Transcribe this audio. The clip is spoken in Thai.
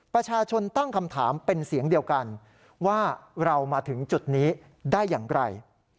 ประชาชนตั้งคำถามเป็นเสียงเดียวกันว่าเรามาถึงจุดนี้ได้อย่างไร